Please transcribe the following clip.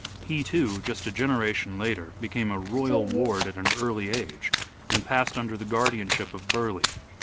He, too, just a generation later, became a royal ward at an early age and passed under the guardianship of Burleigh.